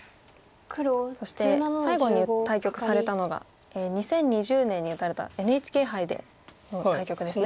そして最後に対局されたのが２０２０年に打たれたＮＨＫ杯での対局ですね。